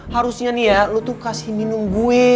harusnya nih ya lu tuh kasih minum gue